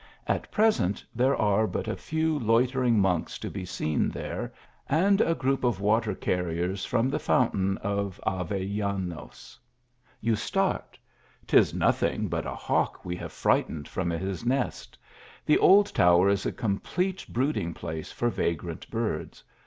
At present there are but a few loitering monks to be seen there, and a group of water carriers from the fountain of Avellanos. You start ! Tis nothing but a hawk we have frightened from his nest. This old tower is a com plete brooding place for vagrant birds.